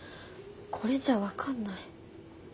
これじゃ分かんない。